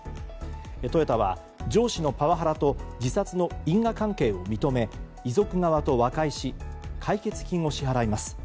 トヨタは上司のパワハラと自殺の因果関係を認め遺族側と和解し解決金を支払います。